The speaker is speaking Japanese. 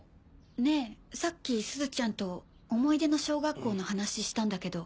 ねぇさっきすずちゃんと思い出の小学校の話したんだけど。